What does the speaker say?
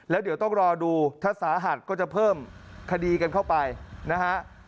แล้วเดี๋ยวต้องรอดูถ้าสาหัสก็จะเพิ่มคดีกันเข้าไปนะฮะ